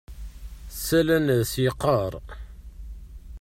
Ssalen-as yeqqar.